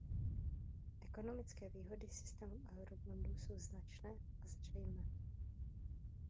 Ekonomické výhody systému eurobondů jsou značné a zřejmé.